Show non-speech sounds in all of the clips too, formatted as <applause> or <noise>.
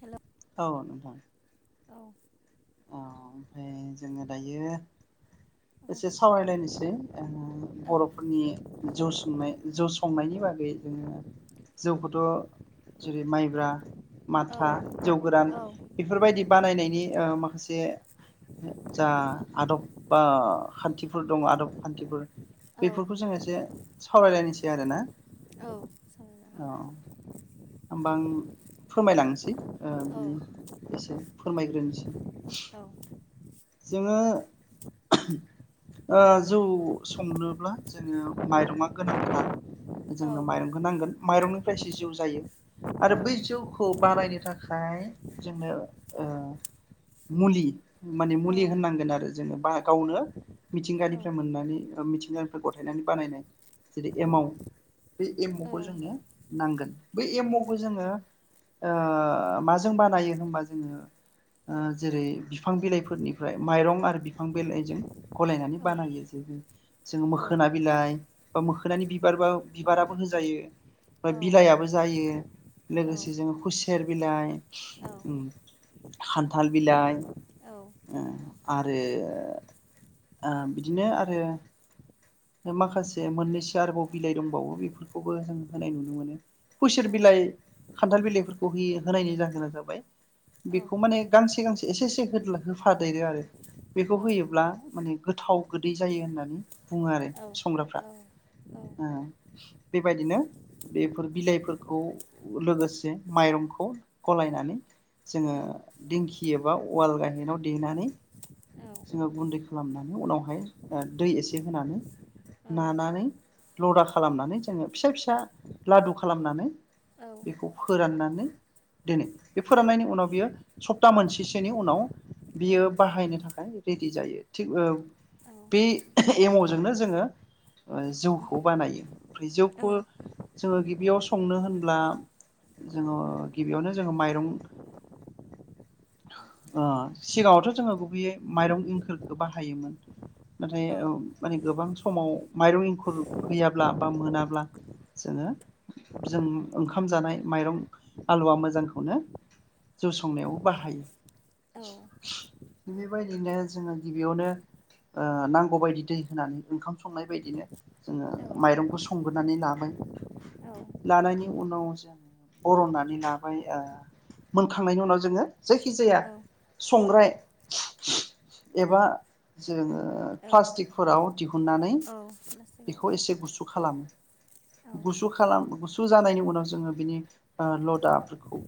हेल औ नोंथां औ औ ओमफ्राय जोङो दायो एसे सावरायलायनोसै ओ बर'फोरनि जौ सोंनाय जौ संनायनि बागै जोङो जौखौथ जेरै माइब्रा माथा जौ गोरान बेफोरबायदि बानायनायनि ओ माखासे जा आदब बा खान्थिफोर दं आदब खान्थिफोर बेफोरखौ जों एसे सावरायलायनोसै आरो ना औ होमबा आं फोरमायलांनोसै ओ बिनि एसे फोरमायग्रोनोसै औ जोङो ओ जौ संनोब्ला जोङो माइरङा गोनांथार जोंनो माइरंखौ नांगोन माइरंनि प्रायसे जौ जायो आरो बै जौखौ बानायनो थाखाय जोंनो ओ मुलि माने मुलि होननांगोन आरो जोंङो। बा गावनो। मिथिंगानिफ्राय मोननानै। न गथायनानै बानायनाय जेरै एमाव बे एम अखौ जोंनो नांगोन। बै एम्बखौ जोंङो ओ माजों बानायो होनबा जोंङो ओ जेरै बिफां बिलाइ फोरनिफ्राय माइरं आरो बिफां बिलाइजों। गलायनानै बानायो जेरै जोंङो मोखोना बिलाइ। मोखोनानि बिबार बा बिबाराबो होजायो बे बिलाइाबो जायो लोगोसे जोंङो खुसेर बिलाइ ओम खान्थाल बिलाइ ओ। आरो बिदिनो आरो माखासे मोननैसो आरोबाव बिलाइ दंबावो बेफोरखौबो जों होनाय नुनो मोनो खुइसर बिलाइ खान्थाल बिलाइफोरखौ होय होनायनि जाहोना जाबाय बेखौ माने गांसे गांसे एसे एसे <unintelligible> फादो आरो बेखौ होयोब्ला माने। गोथाव गोदै जायो होननानै बुंङो आरो संग्राफ्रा ओ बेबायदिनो बेफोर बिलाइफोरखौ लोगोसे माइरंखौ गलायनानै। जोंङो दिंखियो। उवाल गाहेनाव देनानै। जोंङो गुन्दै खालामनानै उनावहाय दै एसे होनानै। नाना नै। लदा खालामनानै जोंङो फिसा फिसा लादु खालामनानै बेखौ फोराननानै। दिनै बे फोराननायनि उनाव बियो सप्ता मोनसेसोनि उनाव। बियो बाहायनो थाखाय। रेदि जायो थिग। बे <unintelligible> जोंनो जोंङो जौखौ बानायो। ब्रैजौखौ जोंङो बेयाव संनो होनब्ला जोङो गिबियावनो जोङो माइरं ओ सिगाङावथ' जोङो गुबैयै माइरं एंखोरखौ बाहायोमोन। नाथाय औ माने गोबां समाव माइरं एंखुर गैयाब्ला बा मोनाब्ला जोङो जों ओंखाम जानाय माइरं आलुवा मोजांखौनो जौ संनायाव बाहायो। <inaudible> औ <unintelligible> बेबायदिनो जोङो गिबियावनो ओ नांगौबायदि दै होनानै ओंखाम संनाय बायदिनो जोङो औ माइरंखौ संगोनानै लाबाय लानायनि उनाव जों बरननानै लाबाय ओ मोनखांनायनि उनाव जोङो जायखिजाया संग्राय। एबा जोङो प्लास्टिकफोराव दिहुननानै बेखौ एसे गुसु खालामो गुसु खालाम गुसु। गुसु जानायनि उनाव जोङो बिनि लदाफोरखौ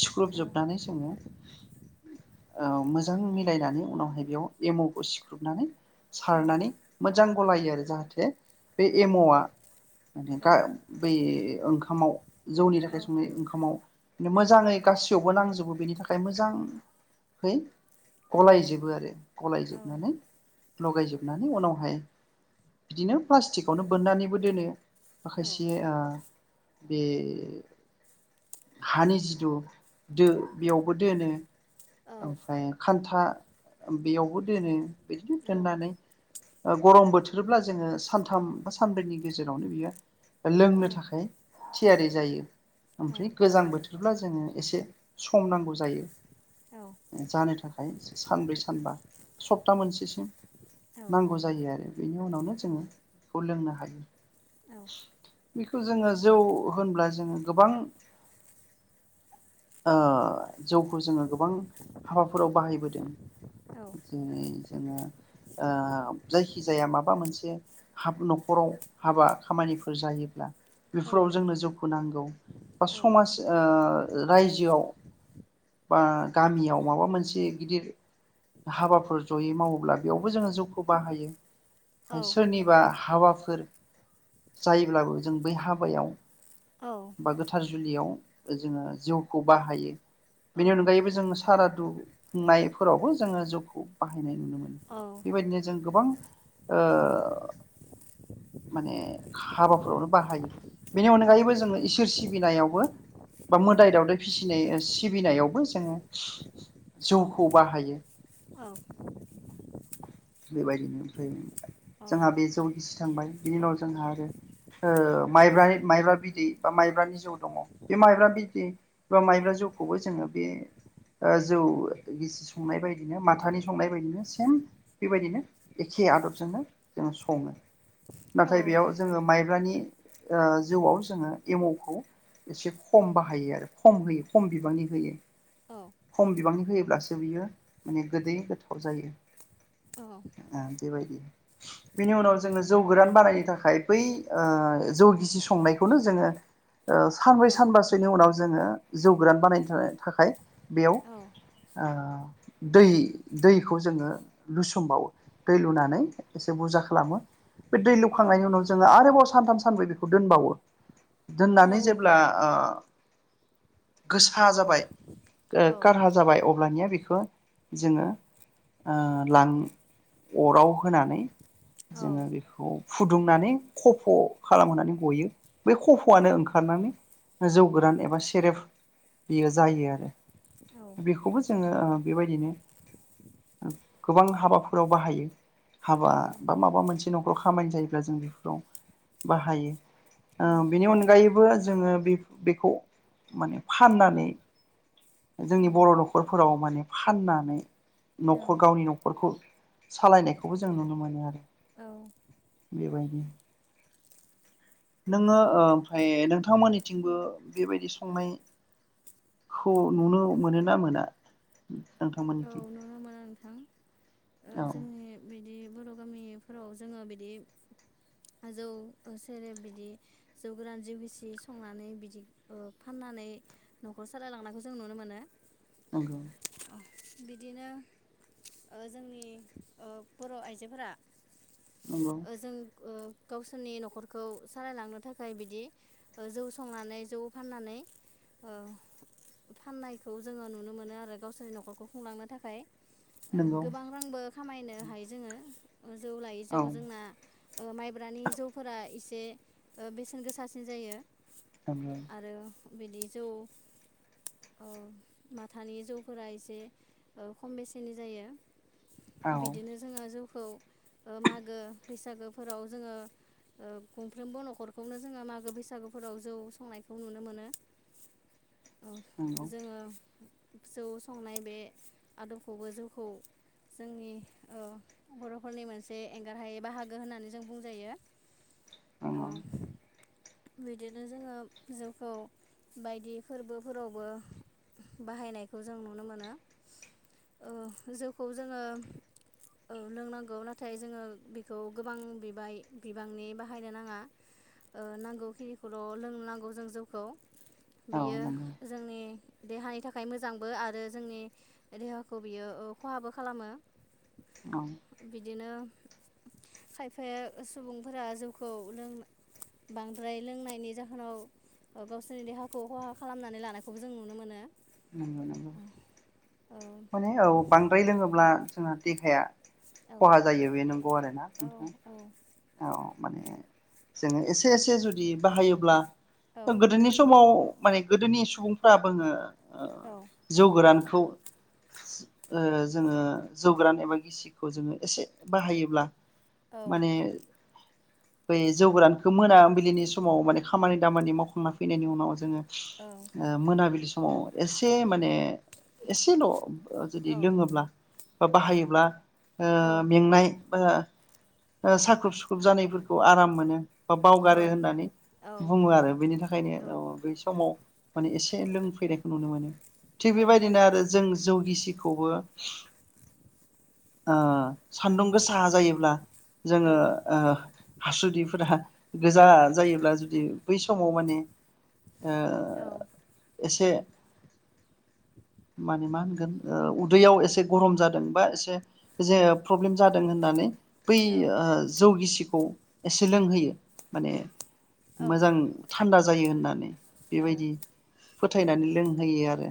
सिख्लुबजोबनानै जोङो ओ मो जां मिलायनानै उनावहाय बेयाव एम'खौ सिख्रुबनानै सारनानै मोजां गलायो आरो जाहाथे बे एम'आ माने बै ओंखामाव जौनि थाखाय संनाय ओंखामाव मे मोजाङै गासैयावबो नांजोबो बेनि थाखाय मोजाङै गलायजोबो आरो गलायजोबनानै लगायजोबनानै उनावहाय बिदिनो प्लास्टिकआवनो बोननानैबो दोनो माखायसे ओ बे हानि जिथु दो बेयावबो दोनो औ खान्था बेयावबो दोनो। बिदिनो दोननानै बा गरम बोथोरब्ला जोङो सानथाम बा सानब्रैनि गेजेरावनो बियो लोंनो थाखाय थियारि जायो। ओमफ्राय गोजां बोथोरब्ला जोङो एसे सम नांगौ जायो। औ। जानो थाखाय सानब्रै सानबा सप्ता मोनसेसिम। नांगौ जायो आरो बेनि उनावनो जोङो बेखौ लोंनो हा हायो <unintelligible> जोङो जौ होनब्ला जोङो गोबां ओ जौखौ जोङो गोबां हाबाफोराव बाहायबोदों। <unintelligible> जोङो ओ जायखिजाया माबा मोनसे हाब न'खराव हाबा खामानिफोर जायोब्ला बेफोराव जोंनो जौखो नां बा समाज ओ रायजोआव बा गामियाव। माबा मोनसे गिदिर हाबाफोर जयै मावोब्ला बेयावबो जोङो जौखौ बाहायो सोरनिबा हाबाफोर जायोब्लाबो जों बै हाबायाव बा गोथार जुलियाव जोङो जिउखौ बाहायो। बेनि अनगायैबो जों सारदु खुंनाय फोरावबो जोङो जौखौ बाहायनाय नुनो मोनो। बेबायदिनो जों गोबां ओ माने हाबाफोरावनो बाहायो। बेनि अनगायैबो जोङो इसोर सि बिनायावबो बा मोदाय दावदै फिसिनाय ओ सि सिबिनायावबो जोङो जौखौ बाहायो। औ। बेबायदिनो ओमफ्राय जोंहा बे जौ गिसि थांबाय बिनि उनाव जोंहा आरो ओ माइब्रानि माइब्रा बिदै बा माइब्रानि जौ दङ बे माइब्रा बिदै बा माइब्रा जौखौबो जोङो बे ओ जौ गिसि संनाय बायदिनो माथानि संनाय बायदिनो सेम बेबायदिनो एखे आदबजोंनो जोङो सङो। नाथाय बेयाव जोङो माइब्रानि ओ जौआव जोङो एमौखौ एसे खम बाहायो आरो खम होयो खम बिबांनि होयो। खम बिबांनि होयोब्लासो बियो माने गोदै गोथाव जायो। आ बेबायायदि बिनि उनाव जोङो जौ गोरान बानायनो थाखाय बै जौ गिसि संनायखौनो जोङो ओ सानब्रै सानबासोनि उनाव जोङो जौ गोरान बानायनो थाखाय-थाखाय बेयाव ओ दै-दैखौ जोङो लुसोमबावो। दै लुनानै एसे बुरजा खा लामो बे दै लुखांनायनि उनाव जोङो आरोबाव सानथाम सानब्रै बेखौ दोनबावो दोननानै जेब्ला ओ गोसा जाबाय कारहा जाबाय अब्लानिया बेख खो जोङो ओ लां अराव होनानै जोङो बेखौ फुदुंनानै खफ' खालामहोनानै गयो। बै खफ'आनो ओंखारनानै जौ गोरान एबा सेरेब बियो जायो आरो बेखौबो जोङो बेबायदिनो गोबां हाबाफोराव बाहायो हाबा बा माबा मोनसे न'खराव खामानि जायोब्ला जों बेफोराव बाहायो। ओ बिनि उनगायै बो जोङो बे बेखौ माने फाननानै जोंनि बर' न'खरफोराव माने फाननानै न'खर न'रखौ सालायनायखौबो जों नुनो मोनो आरो औ बेबायदि नोङो ओमफ्राय नोंथांमोननिथिंबो बेबायदि संनायखौ नुनो मोनो ना मोना औ नोंथांमोननिथिं नुनो मोनो नोंथां ओ औ जोंनि बिदि बर' गामिफोराव जोङो बिदि जौ सेरेब बिदि जौ गोरान जिउ गिसि संनानै बिदि ओ फाननानै न'खर सालायलांनायखौ जों नुनो मोनो नंगौ बिदिनो ओ जोंनि ओ बर' आइजोफोरा नंगौ ओ जों ओ गावसोरनि न'खरखौ सालायलांनो थाखाय बिदि जौ संनानै जौ फाननानै ओ फाननायखौ जोङो नुनो मोनो आरो गावसोरनि न'खरखौ खुंलांनो थाखाय ओ नंगौ गोबां रांबो खामायनो हायो जोङो जौ लायै जौ औ जोंना ओ माइब्रानि जौफोरा एसे जे बेसेन गोसासिन जायो नंगौ आरो बिदि जौ अ माथानि जौफोरा इसे खम बेसेननि जायो औ नंगौ बिदिनो जोङो जौ खौ मागो बैसागोफोराव जोङो ओ गंफ्रोमबो न'खरखौनो जोङो मागो बैसागोफोराव जौ संनायखौ नुनो मोनो औ नंगौ जोङो जौ संनाय बे आदबखौबो जौखौ जोंनि ओ बर'फोरनि मोनसे एंगारहायै बाहागो होननानै जों बुंजायो। औ बिदिनो जोङो जौखौ बायदि फोरबोफोरावबो बाहायनायखौ जों नुनो मोनो ओ जौखौ जोङो औ लोंनांगौ नाथाय जोङो बेखौ गोबां बिबाय बिबांनि बाहायनो नाङा ओ नां नांगौ खिनिखौल' लोंनांगौ जों जौखौ। बियो नंगौ जोंनि देहानि थाखाय मोजांबो आरो जोंनि देहाखौ बियो ओ खहाबो खालामो। औ बिदिनो खायफाया सुबुंफोरा जौखौ लों बां द्राय लोंनायनि जाहोनाव गावसोरनि देहाखौ खहा खालामनानै लानायखौबो जों नुनो मोनो। नंगौ नंगौ औ माने औ बांद्राय लोङोब्ला जोंहा देहाया औ खहा जायो बे नंगौ आरोना औ नोंथां। औ माने जोङो एसे एसे जुदि बाहायोब्ला औ गोदोनि समाव माने गोदोनि सुबुंफोरा बुङो ओ औ जौ गोरान खौ ओ जोङो जौ गोरान एबा गिसिखौ जोङो एसे बाहायोब्ला औ माने बै जौ गोरानखौ मोनाबिलिनि समाव माने खामानि दामानि मावखांना फैनायनि उनाव जोङो ओ मोनाबिलि म एसे माने एसेल' औ जुदि लोङोब्ला बा बाहायोब्ला ओ औ मेंनाय ओ ओ साख्रुब सु जानायफोरखौ आराम मोनो। बा बावगारो होननानै बुङो आरो बेनि थाखायनो बै समाव माने एसे लोंफैेरो नुनो मोनो थिग बेबायदिनो आरो जों जौगिसिखौबो अ सान्दुं गोसा जायोब्ला औ जोङो ओ हासुदैफोरा गोजा जायोब्ला जुदि बै समाव माने ओ एसे माने मा होनगोन ओ उदैयाव एसे गरम जादों बा एसे जे प्रब्लेम जादों होननानै बै अ ब गिसिखौ एसे लोंहोयो माने औ मोजां थान्दा जायो होननानै बेबायदि फोथायनानै लोंहोयो आरो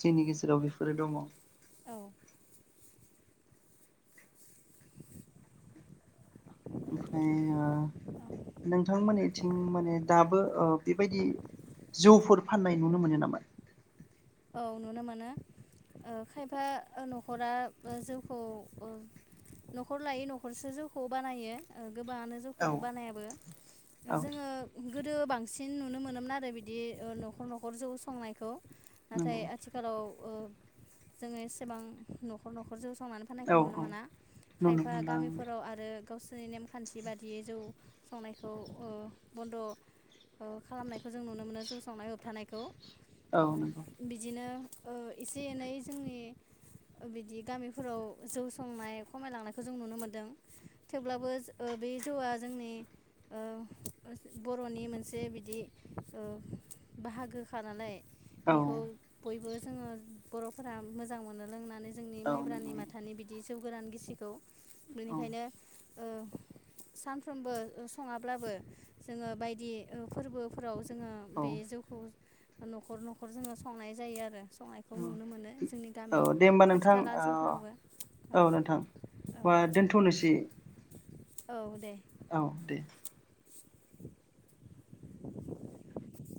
जोंनि गेजेराव बेफोरो दङ औ ओमफ्राय नोंथांमोननिथिं माने दाबो बेबायदि जौफोर फाननाय नुनो मोनो नामा औ नुनो मोनो खायफा न'खरा जौखौ न'खर लायै न'खरसो जौखौ बानायो गोबाङानो जौखौ औ बानायाबो औ जोङो गोदो बांसिन नुनो मोनोमोन आरो बिदि न'खर न'खर जौ संनायखौ नाथाय नंगौ आथिखालाव ओ जोङो एसेबां न'खर न'खरजों फसंनानै औ फाननायखौ नुनो मोना नुनो खायफा मोनदां गामिफोराव आरो गावसोरनि नेमखान्थि बादियै जौ संनायखौ ओ बन्द' ओ खालामनायखौ जों नुनो मोनो जौ संनाय होबथानायखौ औ नंगौ बिदिनो एसे एनै जोंनि बिदि गामिफोराव जौ संनाय खमायलांनायखौ जों नुनो मोनदों थेवब्लाबो बे ओ जौआ जोंनि बर'नि मोनसे बिदि बाहागोखा नालाय औ खौ बयबो जोङो बर'फोरा मोजां मोनो लोंनानै जोंनि औ माइब्रानि नंगौ माथानि बिदि गोरान गिसिखौ औ बेनिखायनो सानफ्रोमबो सङाब्लाबो जोङो बायदि फोरबोफोराव जोङो बे औ जौखौ न'खर न'खर न'खर जोङो संनाय जायो आरो संनायखौ नुनो मोनो जोंनि औ गामि दे होमबा खाथि नोंथां खाला ओनसोलफोरावबो नोंथां औ होमबा दोनथ'नोसै औ औ दे औ दे